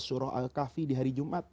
surah al kafi di hari jumat